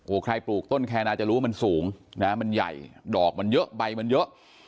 ใครปลูกต้นแคนาจะรู้มันสูงนะมันใหญ่ดอกมันเยอะใบมันเยอะ